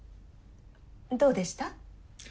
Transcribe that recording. どうでした？